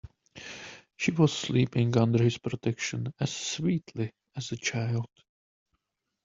She was sleeping under his protection as sweetly as a child.